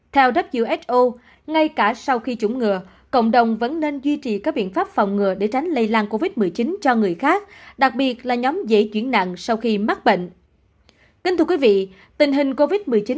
theo who ngay cả sau khi chủng ngừa cộng đồng vẫn nên duy trì các biện pháp phòng ngừa để tránh lây lan covid